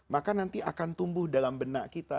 maka nanti akan tumbuh dalam benak kita